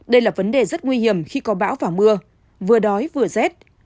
đây là vấn đề rất nguy hiểm khi có bão và mưa vừa đói vừa rét